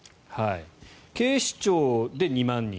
警視庁で２万人。